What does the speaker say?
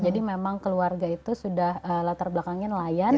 jadi memang keluarga itu sudah latar belakangnya nelayan